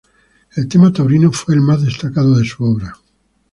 El tema taurino fue el más destacado de su obra.